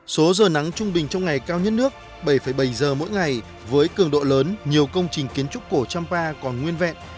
số giờ nắng trung bình trong ngày cao nhất nước bảy bảy giờ mỗi ngày với cường độ lớn nhiều công trình kiến trúc cổ trăm pa còn nguyên vẹn